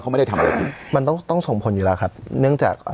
เขาไม่ได้ทำอะไรผิดมันต้องต้องส่งผลอยู่แล้วครับเนื่องจากอ่า